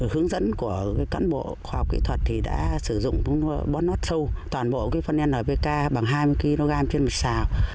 hướng dẫn của cán bộ khoa học kỹ thuật thì đã sử dụng bón nót sâu toàn bộ phân npk bằng hai mươi kg trên một xào